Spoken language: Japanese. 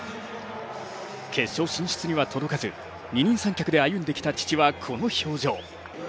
決勝進出には届かず二人三脚で歩んできた父は、この表情。